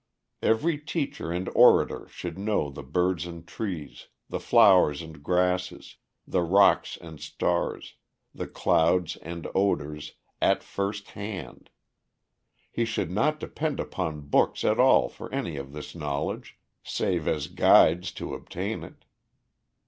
Every teacher and orator should know the birds and trees, the flowers and grasses, the rocks and stars, the clouds and odors, at first hand. He should not depend upon books at all for any of this knowledge, save as guides to obtain it.